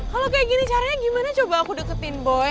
kalau kayak gini caranya gimana coba aku deketin boy